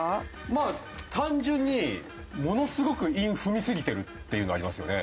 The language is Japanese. まあ単純にものすごく韻踏みすぎてるっていうのありますよね。